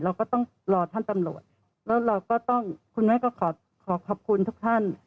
เราก็ต้องรอท่านตำรวจแล้วเราก็ต้องคุณแม่ก็ขอขอบคุณทุกท่าน